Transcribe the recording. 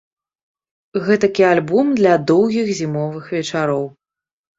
Гэтакі альбом для доўгіх зімовых вечароў.